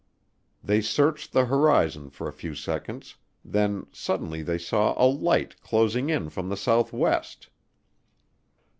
They searched the horizon for a few seconds; then suddenly they saw a light closing in from the southwest.